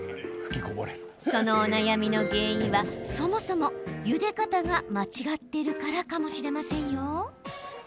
そのお悩みの原因はそもそもゆで方が間違ってるからかもしれませんよ。